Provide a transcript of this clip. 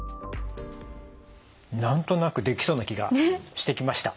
何となくできそうな気がしてきました。